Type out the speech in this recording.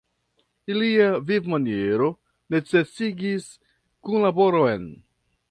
Ilia vivmaniero necesigis kunlaboron.